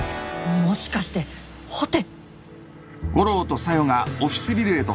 もしかしてホテ